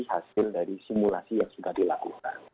hasil dari simulasi yang sudah dilakukan